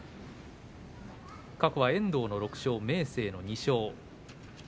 過去は遠藤の６勝明生の２勝。